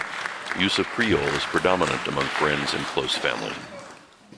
Use of Creole is predominant among friends and close family.